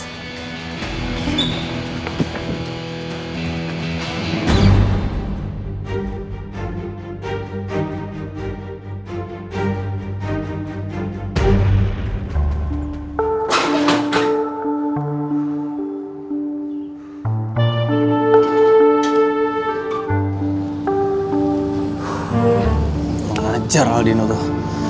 kamu ngajar aldino tuh